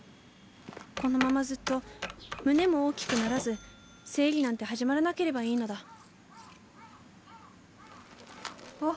このままずっと胸も大きくならず生理なんて始まらなければいいのだわっ